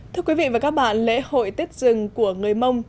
thưa quý vị và các bạn lễ hội tết dừng của người mông